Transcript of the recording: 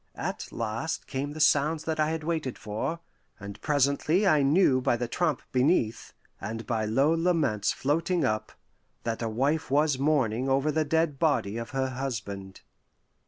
At last came the sounds that I had waited for, and presently I knew by the tramp beneath, and by low laments floating up, that a wife was mourning over the dead body of her husband.